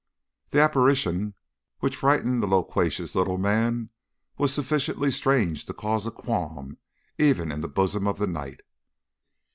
"The apparition which frightened the loquacious little man was sufficiently strange to cause a qualm even in the bosom of the knight.